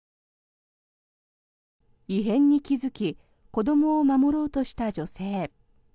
異変に気付き子どもを守ろうとした女性。